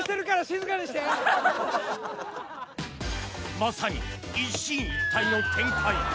まさに一進一退の展開